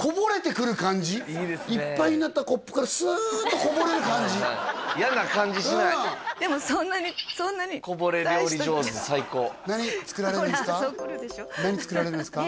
いっぱいになったコップからスーッとこぼれる感じでもそんなに大したこぼれ料理上手最高何作られるんですか？